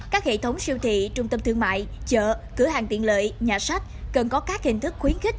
các hệ thống siêu thị trung tâm thương mại chợ cửa hàng tiện lợi nhà sách cần có các hình thức khuyến khích